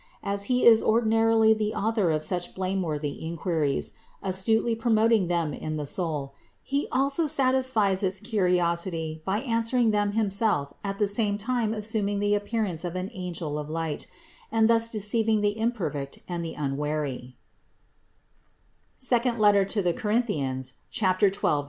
As he is ordinarily the author of such blameworthy inquiries, astutely promot ing them in the soul, he also satisfies its curiosity by answering them himself at the same time assuming the appearance of an angel of light and thus deceiving the imperfect and the unwary (II Cor. 12, 14).